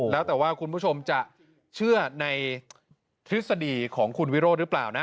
แล้วแต่ว่าคุณผู้ชมจะเชื่อในทฤษฎีของคุณวิโรธหรือเปล่านะ